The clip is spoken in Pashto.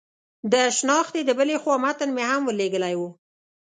د شنختې د بلې خوا متن مې هم ور لېږلی و.